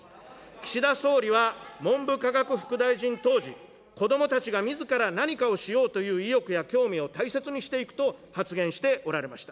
岸田総理は文部科学副大臣当時、子どもたちがみずから何かをしようという意欲や興味を大切にしていくと発言しておられました。